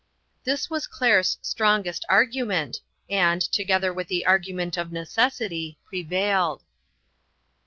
This was Claire's strongest argument, and, together with the argument of necessity, prevailed.